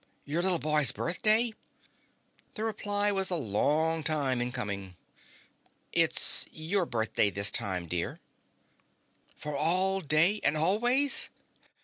"Your little boy's birthday?" The reply was a long time in coming. "It's your birthday this time, dear." "For all day and always?"